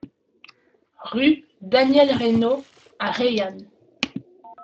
Rue Daniel Reynaud à Reillanne